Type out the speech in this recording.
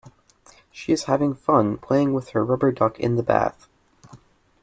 She is having fun playing with her rubber duck in the bath